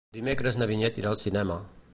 Dimecres na Vinyet irà al cinema.